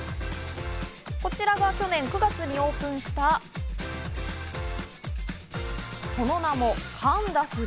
こちらが去年９月にオープンした、その名もカンダフル。